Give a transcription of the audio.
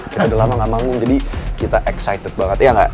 kita udah lama gak bangun jadi kita excited banget iya gak